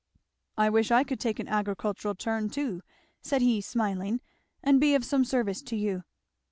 "I wish I could take an agricultural turn too," said he smiling, "and be of some service to you."